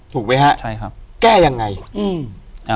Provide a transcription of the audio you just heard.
อยู่ที่แม่ศรีวิรัยิลครับ